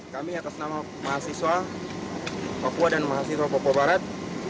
kami atas nama mahasiswa papua dan mahasiswa papua barat